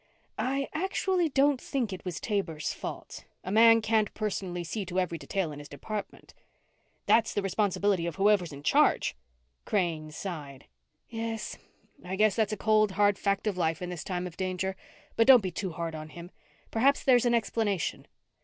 "I actually don't think it was Taber's fault. A man can't personally see to every detail in his department." "That's the responsibility of whoever is in charge." Crane sighed. "Yes, I guess that's a cold, hard fact of life in this time of danger. But don't be too hard on him. Perhaps there's an explanation."